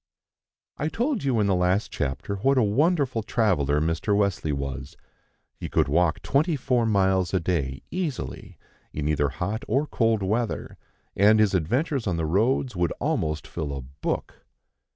I TOLD you in the last chapter what a wonderful traveller Mr. Wesley was; he could walk twenty four miles a day easily, in either hot or cold weather, and his adventures on the roads would almost fill a book.